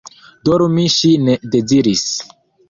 Dormi ŝi ne deziris.